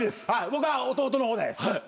僕は弟の方です。